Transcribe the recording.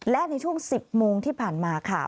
และในช่วง๑๐โมงที่ผ่านมาค่ะ